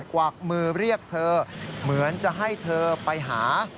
กวักมือเรียกเธอเหมือนจะให้เธอไปหา